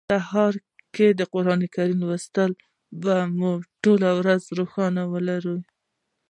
سهار کی قران کریم لوستل به مو ټوله ورځ روښانه ولري